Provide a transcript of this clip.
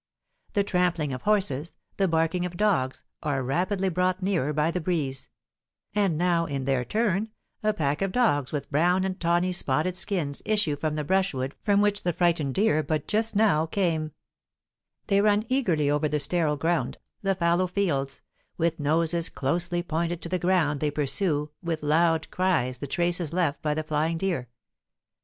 The trampling of horses, the barking of dogs, are rapidly brought nearer by the breeze; and now, in their turn, a pack of dogs with brown and tawny spotted skins issue from the brushwood from which the frightened deer but just now came; they run eagerly over the sterile ground, the fallow fields, with noses closely pointed to the ground they pursue with loud cries the traces left by the flying deer.